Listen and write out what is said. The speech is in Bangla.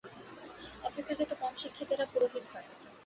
অপেক্ষাকৃত কম শিক্ষিতেরা পুরোহিত হয়।